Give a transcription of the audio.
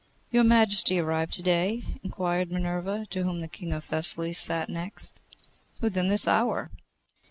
'Your Majesty arrived to day?' inquired Minerva, to whom the King of Thessaly sat next. 'Within this hour.